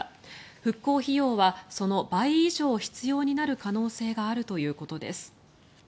復興費用はその倍以上必要になる可能性があるということです。